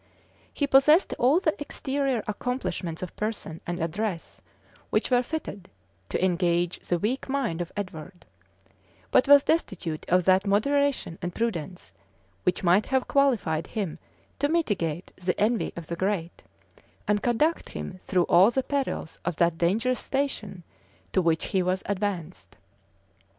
[*] He possessed all the exterior accomplishments of person and address which were fitted to engage the weak mind of Edward; but was destitute of that moderation and prudence which might have qualified him to mitigate the envy of the great, and conduct him through all the perils of that dangerous station to which he was advanced.